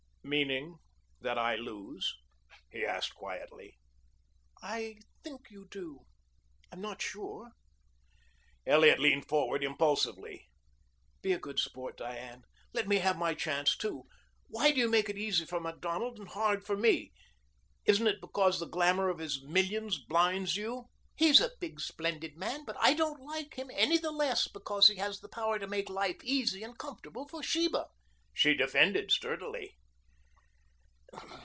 "Meaning that I lose?" he asked quickly. "I think you do. I'm not sure." Elliot leaned forward impulsively. "Be a good sport, Diane. Let me have my chance too. Why do you make it easy for Macdonald and hard for me? Isn't it because the glamour of his millions blinds you?" "He's a big, splendid man, but I don't like him any the less because he has the power to make life easy and comfortable for Sheba," she defended sturdily.